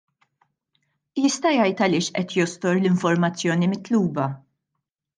Jista' jgħid għaliex qed jostor l-informazzjoni mitluba?